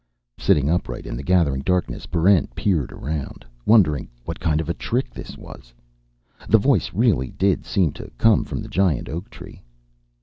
Sitting upright in the gathering darkness, Barrent peered around, wondering what kind of a trick this was. The voice really did seem to come from the giant oak tree.